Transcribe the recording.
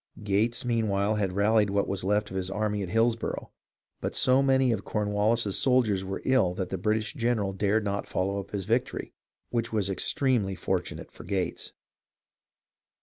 Gates, meanwhile, had rallied what was left of his army at Hillsborough ; but so many of Cornwallis's soldiers were ill that the British general dared not follow up his victory — which was extremely fortunate for Gates.